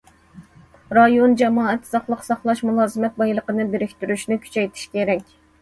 رايون جامائەت ساقلىق ساقلاش مۇلازىمەت بايلىقىنى بىرىكتۈرۈشنى كۈچەيتىش كېرەك.